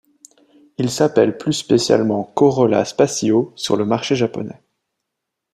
Il s'appelle plus spécialement Corolla Spacio sur le marché japonais.